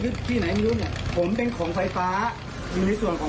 พวกหนูต้องระวังตัวไว้ก่อน